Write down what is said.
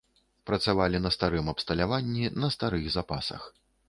Працавалі на старым абсталяванні, на старых запасах.